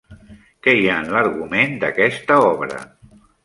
Què hi ha en l'argument d'aquesta obra?